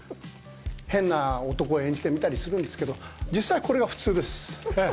変な男を演じてみたりするんですけど実際これが普通です。